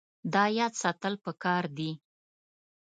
دا یاد ساتل پکار دي.